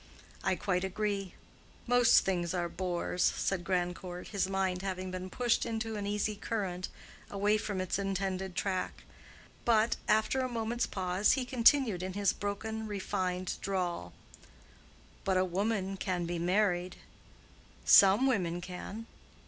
"I quite agree. Most things are bores," said Grandcourt, his mind having been pushed into an easy current, away from its intended track. But, after a moment's pause, he continued in his broken, refined drawl, "But a woman can be married." "Some women can."